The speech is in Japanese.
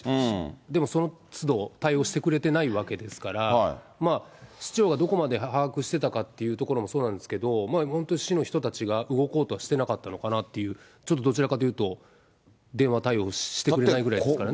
でもそのつど対応してくれてないわけですから、市長がどこまで把握してたかっていうところもそうなんですけど、本当、市の人たちが動こうとしてなかったのかなと、ちょっとどちらかというと、電話対応してくれないぐらいですからね。